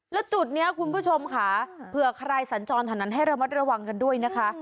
แล้วจุดนี้คุณผู้ชมค่ะเผื่อใครสัญจรแถวนั้นให้ระมัดระวังกันด้วยนะคะ